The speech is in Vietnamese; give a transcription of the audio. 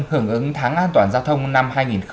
hưởng ứng tháng an toàn giao thông năm hai nghìn một mươi sáu